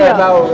saya tidak tahu